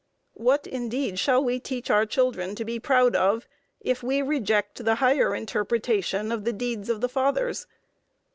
What, indeed, shall we teach our children to be proud of if we reject the higher interpretation of the deeds of the Fathers?